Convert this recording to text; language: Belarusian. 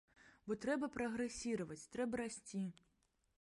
Бо трэба прагрэсіраваць, трэба расці.